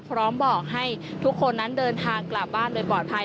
พร้อมบอกให้ทุกคนนั้นเดินทางกลับบ้านโดยปลอดภัย